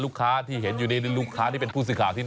ที่เห็นอยู่นี่ลูกค้าที่เป็นผู้สื่อข่าวที่นะ